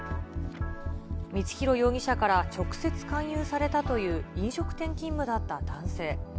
光弘容疑者から直接勧誘されたという飲食店勤務だった男性。